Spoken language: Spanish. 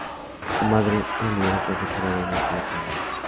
Su madre, Millie, era profesora de una escuela para niños.